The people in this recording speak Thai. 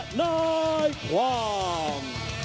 ชะนายความ